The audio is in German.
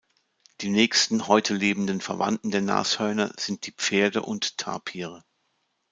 Die nächsten heute lebenden Verwandten der Nashörner sind die Pferde und Tapire.